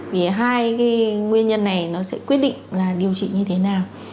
vì hai cái nguyên nhân này nó sẽ quyết định là điều trị như thế nào